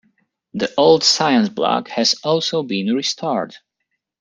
The old science block has also been restored.